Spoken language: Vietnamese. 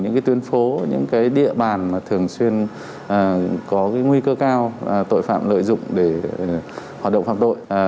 những tuyến phố những địa bàn mà thường xuyên có nguy cơ cao tội phạm lợi dụng để hoạt động phạm tội